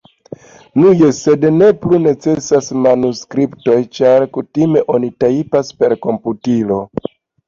Nu jes, sed ne plu necesas manuskriptoj, ĉar kutime oni tajpas per komputilo.